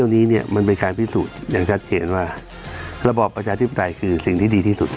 นี้มันกันพิสูจน์อย่างชัดเห็นว่าระบบประชาที่ใต่คือสิ่งที่ดีที่สุด